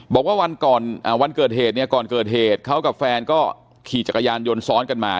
บอกว่าวันเกิดเหตุเขากับแฟนก็ขี่จักรยานยนต์ซ้อนกันมา